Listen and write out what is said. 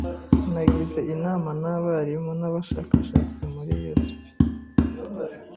Nagize inama nabarimu nabashakashatsi muri USP.